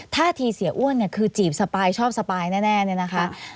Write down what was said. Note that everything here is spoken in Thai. ท่าทีเสียอ้วนเนี่ยคือจีบสปายชอบสปายแน่เนี่ยนะคะ